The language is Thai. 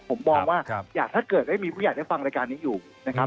ผมมองว่าถ้าเกิดไม่มีผู้อยากได้ฟังรายการนี้อยู่